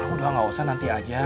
udah gak usah nanti aja